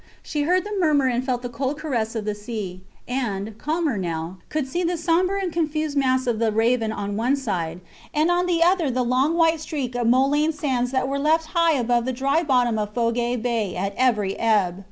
She heard the murmur and felt the cold caress of the sea, and, calmer now, could see the sombre and confused mass of the Raven on one side and on the other the long white streak of Molene sands that are left high above the dry bottom of Fougere Bay at every ebb.